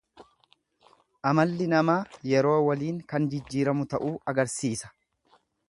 Amalli namaa yeroo waliin kan jijiiramu ta'uu agarsiisa.